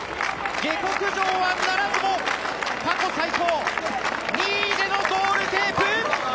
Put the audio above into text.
下克上はならずも過去最高２位でのゴールテープ！